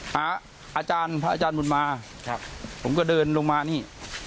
อาจารย์พระอาจารย์บุญมาผมก็เดินลงมานี่